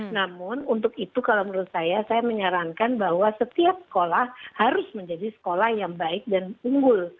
namun untuk itu kalau menurut saya saya menyarankan bahwa setiap sekolah harus menjadi sekolah yang baik dan unggul